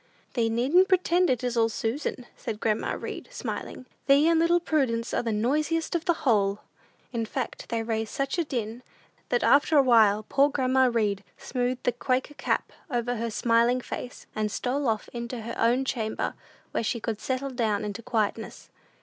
"Thee needn't pretend it is all Susan," said grandma Read, smiling. "Thee and little Prudence are the noisiest of the whole!" In fact, they raised such a din, that after a while poor grandma Read smoothed the Quaker cap over her smiling face, and stole off into her own chamber, where she could "settle down into quietness."